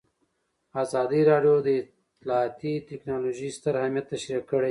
ازادي راډیو د اطلاعاتی تکنالوژي ستر اهميت تشریح کړی.